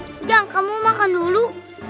ujang kamu makan dulu